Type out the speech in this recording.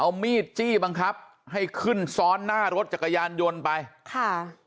เอามีดจี้บังคับให้ขึ้นซ้อนหน้ารถจักรยานยนต์ไปค่ะ